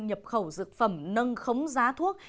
nhập khẩu dược phẩm nâng khống giá thuốc